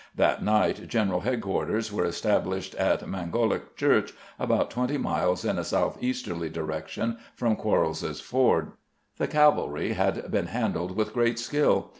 That night general head quarters were established at Mangohick Church, about twenty miles in a southeasterly direction from Quarles's Ford. The cavalry had been handled with great skill.